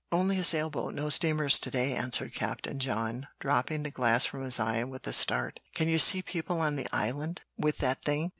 "Only a sail boat; no steamers to day," answered Captain John, dropping the glass from his eye with a start. "Can you see people on the Island with that thing?